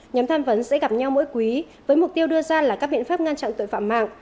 nhóm tham vấn sẽ gặp nhau mỗi quý với mục tiêu đưa ra là các biện pháp ngăn chặn tội phạm mạng